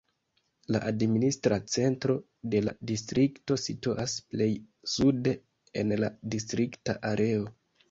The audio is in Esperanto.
La administra centro de la distrikto situas plej sude en la distrikta areo.